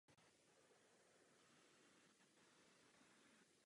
Účinnost pomoci musí být prvořadá.